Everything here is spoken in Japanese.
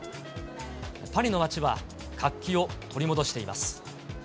パリの街は、活気を取り戻しています。